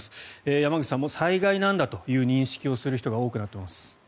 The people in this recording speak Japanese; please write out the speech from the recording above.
山口さん、災害なんだという認識をする人が多くなっています。